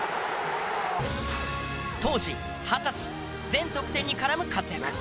当時二十歳全得点に絡む活躍。